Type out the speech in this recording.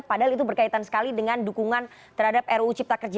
padahal itu berkaitan sekali dengan dukungan terhadap ruu cipta kerja